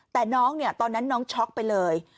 แต่น้องตอนนั้นน้องช็อกไปเลย